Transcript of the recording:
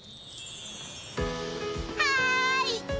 はい！